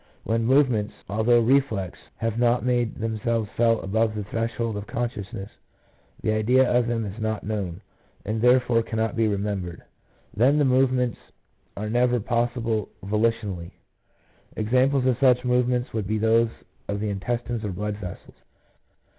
When movements, although reflex, have not made themselves felt above the threshold of consciousness, the idea of them is not known, and therefore cannot be remembered ; then the movements are never pos sible volitionally. Examples of such movements would be those of the intestines or blood vessels.